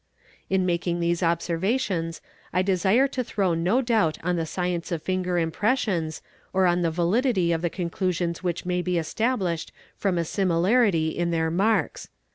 "In making these observations I desire to throw no doubt on the science of finger impressions, or on the validity of the conclusions which may be established from a similarity in their marks.